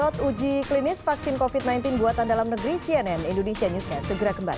di klinis vaksin covid sembilan belas buatan dalam negeri cnn indonesia newsnya segera kembali